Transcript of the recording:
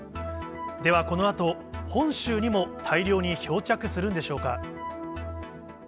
ではこのあと、本州にも大量に漂着するんでしょうか。